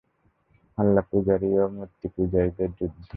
আল্লাহ্ পূজারী ও মূর্তি পূজারীদের যুদ্ধ।